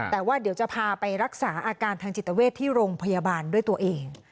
แต่ว่าเดี๋ยวจะพาไปรักษาอาการทางจิตเวทที่โรงพยาบาลด้วยตัวเอง